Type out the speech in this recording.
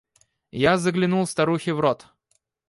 Я заглянул старухе в рот.